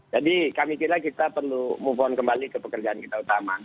jadi kami kira kita perlu move on kembali ke pekerjaan kita utama